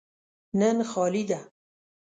نن خالي ده.